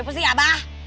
apa sih abah